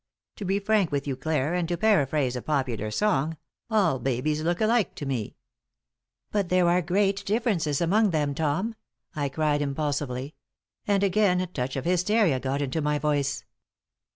To be frank with you, Clare, and to paraphrase a popular song, 'all babies look alike to me.'" "But there are great differences among them, Tom," I cried, impulsively; and again a touch of hysteria got into my voice.